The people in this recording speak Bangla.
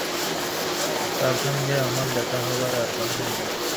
তাঁর সঙ্গে আমার দেখা হবার আর-কোনো সম্ভাবনা নেই।